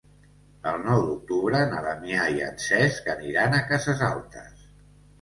El nou d'octubre na Damià i en Cesc aniran a Cases Altes.